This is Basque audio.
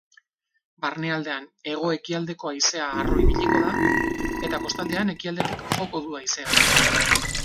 Barnealdean hego-ekialdeko haizea harro ibiliko da eta kostaldean ekialdetik joko du haizeak.